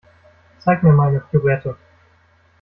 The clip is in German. Zeig mir mal eine Pirouette.